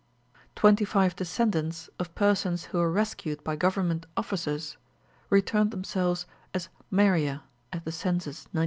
Twenty five descendants of persons who were rescued by Government officers, returned themselves as Meriah at the census, 1901.